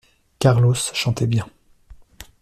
Carlos chantait bien.